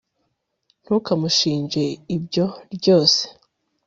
ntukamushinje ibyo ryose